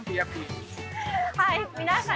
はい皆さん